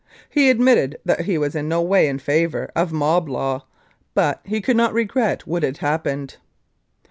He admitted that he was in no way in favour of mob law, but he could not regret what had happened.